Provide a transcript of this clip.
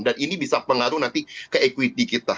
dan ini bisa pengaruh nanti ke equity kita